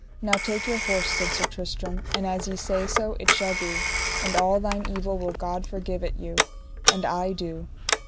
Now take your horse, said Sir Tristram, and as ye say so it shall be, and all thine evil will God forgive it you, and I do.